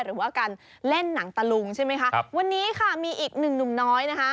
หรือว่าการเล่นหนังตะลุงใช่ไหมคะครับวันนี้ค่ะมีอีกหนึ่งหนุ่มน้อยนะคะ